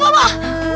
pak pak pak